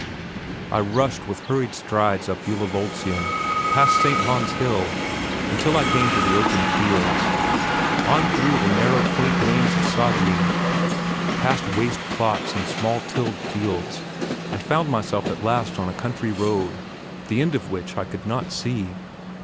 I rushed with hurried strides up Ullavold sveien, past St. Han's Hill, until I came to the open fields; on through the narrow quaint lanes in Sagene, past waste plots and small tilled fields, and found myself at last on a country road, the end of which I could not see.